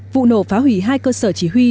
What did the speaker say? vụ nổ phá hủy hai cơ sở chỉ huy